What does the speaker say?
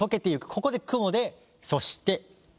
ここで「雲」で「そして」。